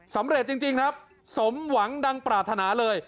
สำเร็จจริงครับสมหวังดังปรารถนาเลย